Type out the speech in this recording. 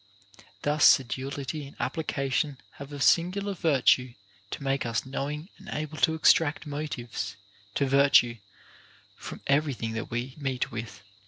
Thus sedulity and application have a singular virtue to make us knowing and able to extract motives to virtue from every thing that we meet with.